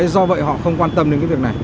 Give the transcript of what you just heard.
do vậy họ không quan tâm đến việc này